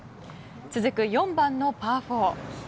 続く４番のパー４。